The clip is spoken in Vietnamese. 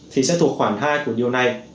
thì sẽ thuộc khoảng hai của điều này